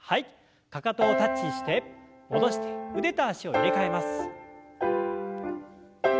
かかとをタッチして戻して腕と脚を入れ替えます。